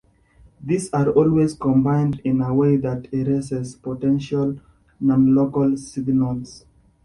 These are always combined in a way that "erases" potential nonlocal signals.